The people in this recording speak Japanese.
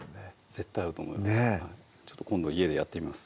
絶対合うと思いますねぇ今度家でやってみます